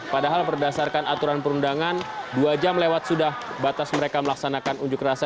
padahal berdasarkan aturan perundangan dua jam lewat sudah batas mereka melaksanakan unjuk rasa